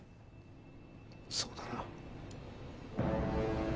そうだな。